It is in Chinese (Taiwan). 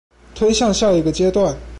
推向下一個階段